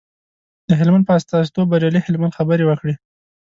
د هلمند په استازیتوب بریالي هلمند خبرې وکړې.